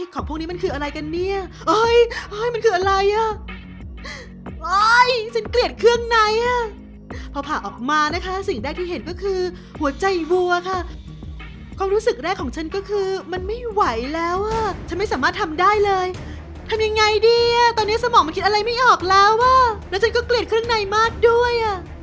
ก็ไม่รู้ว่าจะไปเกลียดเครื่องในมากด้วย